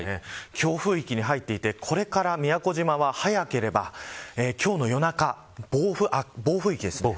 強風域に入っていてこれから宮古島は早ければ、今日の夜中暴風域です。